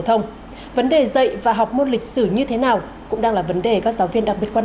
thông vấn đề dạy và học môn lịch sử như thế nào cũng đang là vấn đề các giáo viên đặc biệt quan